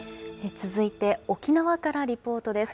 続いて沖縄からリポートです。